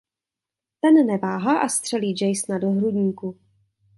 Ten neváhá a střelí Jasona do hrudníku.